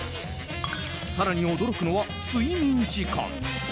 更に驚くのは睡眠時間。